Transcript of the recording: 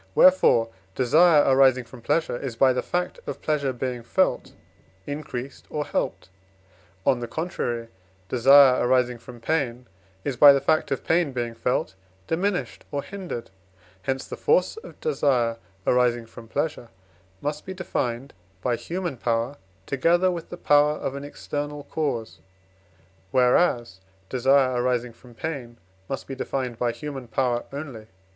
Wherefore desire arising from pleasure is, by the fact of pleasure being felt, increased or helped; on the contrary, desire arising from pain is, by the fact of pain being felt, diminished or hindered; hence the force of desire arising from pleasure must be defined by human power together with the power of an external cause, whereas desire arising from pain must be defined by human power only.